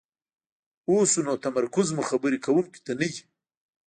اوسو نو تمرکز مو خبرې کوونکي ته نه وي،